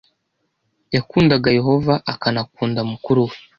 Yakundaga Yehova, akanakunda mukuru we